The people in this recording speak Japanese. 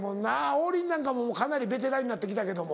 王林なんかもうかなりベテランになって来たけども。